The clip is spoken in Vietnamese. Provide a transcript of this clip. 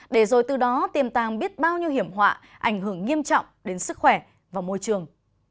để rồi từ đó tiềm tàng biết bao nhiêu hiểm họa ảnh hưởng nghiêm trọng đến sức khỏe và môi trường